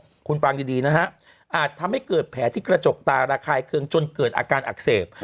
คุณฟังดีดีนะฮะอาจทำให้เกิดแผลที่กระจกตาระคายเคืองจนเกิดอาการอักเสบ